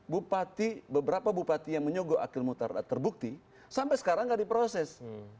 bupati beberapa bupati yang menyogok akhil muhtar sudah terbukti sampai sekarang tidak diproses